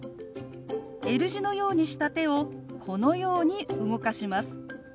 Ｌ字のようにした手をこのように動かします。